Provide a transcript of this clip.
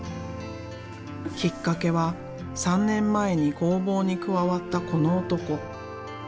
きっかけは３年前に工房に加わったこの男。